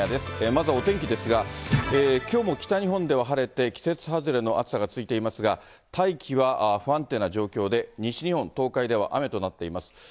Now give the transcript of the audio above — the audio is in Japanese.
まずお天気ですが、きょうも北日本では晴れて、季節外れの暑さが続いていますが、大気は不安定な状況で、西日本、東海では雨となっています。